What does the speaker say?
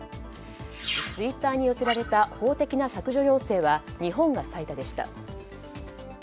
ツイッターに寄せられた法的な削除要請は日本が最多でした。